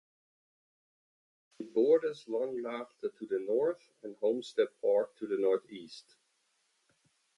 It borders Langlaagte to the north and Homestead Park to the northeast.